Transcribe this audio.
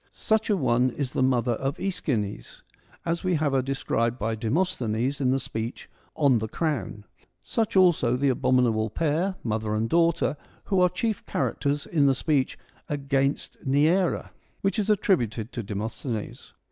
Such an one is the mother of iEschines, as we have her described by Demosthenes in the speech ' On the Crown '; such also the abominable pair, mother and daughter, who are the chief characters in the speech ' Against Neaera,' which is attributed to Demosthenes.